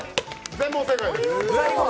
全問正解です。